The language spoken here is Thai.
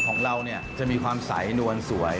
ของเราจะมีความใสนวลสวย